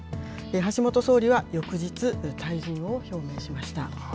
橋本総理は翌日、退陣を表明しました。